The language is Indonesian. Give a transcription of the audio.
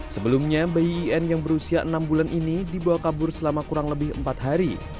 sebelumnya bayi in yang berusia enam bulan ini dibawa kabur selama kurang lebih empat hari